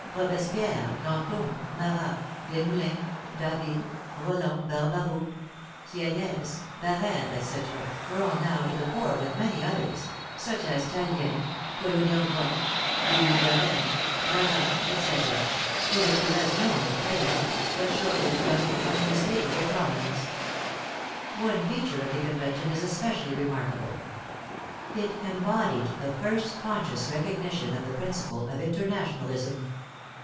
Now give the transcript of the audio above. Robespierre, Danton, Marat, Desmoulins, David, Roland, Barbaroux, Sieyes, Barere, etc., were all now to the fore with many others, such as Tallien, Collot d'Herbois, Billaud Varennes, Bar ras, etc., hitherto less known to fame, but shortly to come into unmistakable prominence. One feature of the Con vention is especially remarkable. It embodied the first conscious recognition of the principle of International ism.